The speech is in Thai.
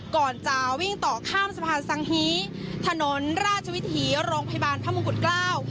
ก่อนจะวิ่งต่อข้ามสะพานสังฮีถนนราชวิถีโรงพยาบาลพระมงกุฎเกล้า